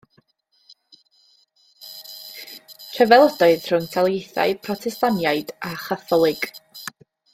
Rhyfel ydoedd rhwng taleithiau Protestaniaid a Chatholig.